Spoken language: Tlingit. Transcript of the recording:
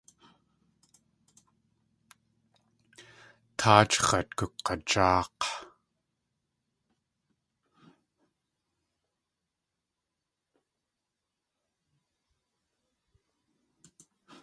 Táach x̲at gug̲ajáak̲.